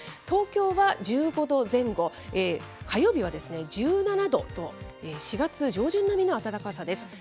東京は１５度前後、火曜日は１７度と、４月上旬並みの暖かさです。